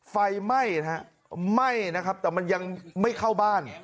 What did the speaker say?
ไฟไหม้นะครับแต่มันยังไม่เข้าบ้าน